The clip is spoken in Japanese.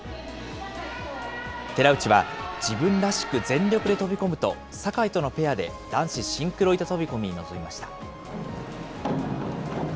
寺内は、自分らしく全力で飛び込むと、坂井とのペアで男子シンクロ板飛び込みに臨みました。